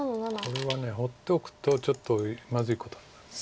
これは放っておくとちょっとまずいことになるんです。